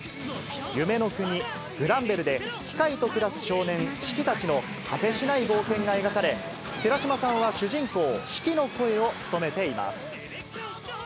夢の国、グランベルで機械と暮らす少年、シキたちの果てしない冒険が描かれ、寺島さんは主人公、シキの声を務めています。